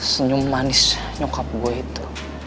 senyum manis nyokap gue itu